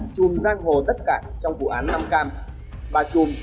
trùm giang hồ đất cảng trong vụ án năm cam